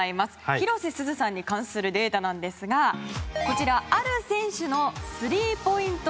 広瀬すずさんに関するデータなんですがこちら、ある選手のスリーポイント